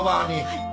はい。